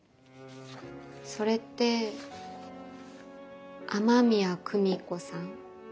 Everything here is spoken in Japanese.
それって雨宮久美子さん？